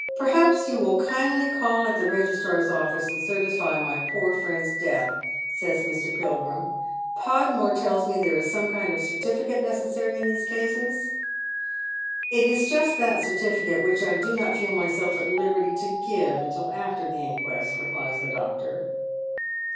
" Perhaps you will kindly call at the Kegistrar's and certify my poor friend's death," says Mr. Pilgrim. " Podmore tells me there is some kind of certificate necessary in these cases." " It is just that certificate which I do not feel myself at liberty to give until after the inquest," replies the doctor.